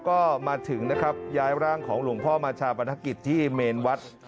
ก็มาถึงนะครับย้ายร่างของหลวงพ่อมาชาปนกิจที่เมนวัด